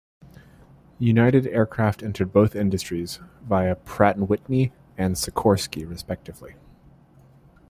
United Aircraft entered both industries, via Pratt and Whitney and Sikorsky, respectively.